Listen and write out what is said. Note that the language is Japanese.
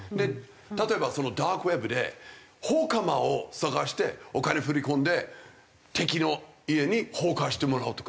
例えばそのダークウェブで放火魔を探してお金振り込んで敵の家に放火してもらうとか。